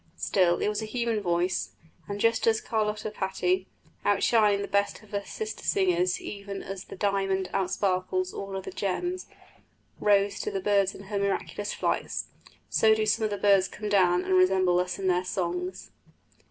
Still, it was a human voice; and, just as Carlotta Patti (outshining the best of her sister singers even as the diamond outsparkles all other gems) rose to the birds in her miraculous flights, so do some of the birds come down to and resemble us in their songs.